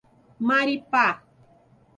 Maripá